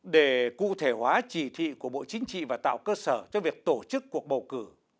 để cụ thể hóa chỉ thị của bộ chính trị và tạo cơ sở cho việc tổ chức cuộc bầu cử